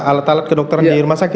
alat alat kedokteran di rumah sakit